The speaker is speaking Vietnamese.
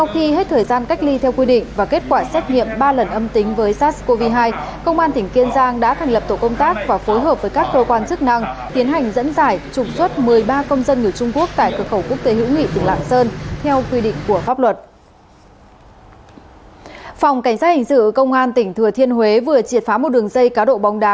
phòng cảnh sát hình sự công an tỉnh thừa thiên huế vừa triệt phá một đường dây cá độ bóng đá